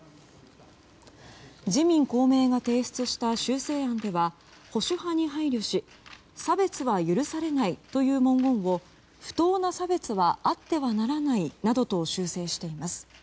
自民・公明が提出した修正案では保守派に配慮し差別は許されないという文言を不当な差別はあってはならないなどと修正しています。